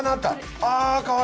あかわいい！